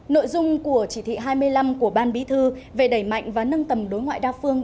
nội dung của chỉ thị hai mươi năm của ban bí thư về đẩy mạnh và nâng tầm đối ngoại đa phương